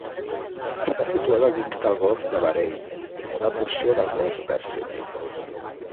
Està situada dins del golf de Bahrain, una porció del golf Pèrsic.